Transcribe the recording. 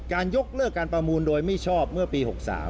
ยกเลิกการประมูลโดยไม่ชอบเมื่อปี๖๓